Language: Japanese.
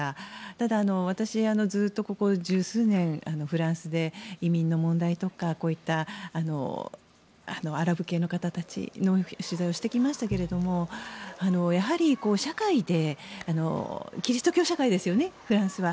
ただ、私ずっとここ十数年、フランスで移民の問題とかこういったアラブ系の方たちの取材をしてきましたがキリスト教社会ですよねフランスは。